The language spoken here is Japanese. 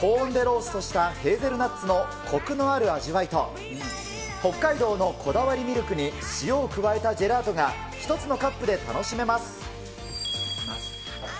高温でローストしたヘーゼルナッツのこくのある味わいと、北海道のこだわりミルクに塩を加えたジェラートが一つのカップで楽しめます。